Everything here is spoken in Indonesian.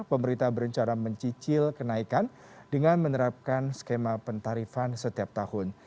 pemerintah berencana mencicil kenaikan dengan menerapkan skema pentarifan setiap tahun